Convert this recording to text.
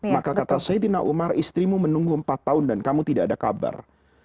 maka kata sayyidina umar istrimu menunggu empat tahun dan kamu tidak ada kabar